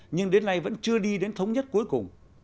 nhưng đến nay vẫn chưa đi đến thống nhất cuối cùng